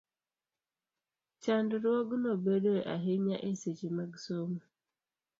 Chandruogno bedoe ahinya e seche mag somo,